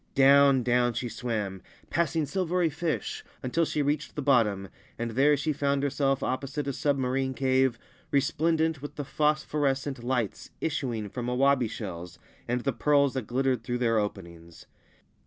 Down down she swam, passing silvery fish, until she reached thi bottom, and there she found herself opposite a submarim cave resplendent with the phosphorescent lights issuing from awabi shells and the pearls that glittered through thei: openings.